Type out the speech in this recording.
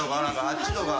あっちとか。